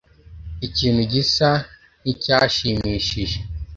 Ikintu gisa nkicyashimishije